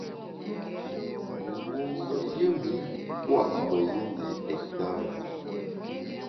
Ngu ngùet yùm ’i pua’ meyi ndi ektari.